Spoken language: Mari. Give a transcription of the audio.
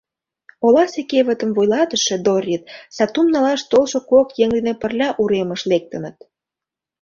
Оласе кевытым вуйлатыше Доррит сатум налаш толшо кок еҥ дене пырля уремыш лектыныт.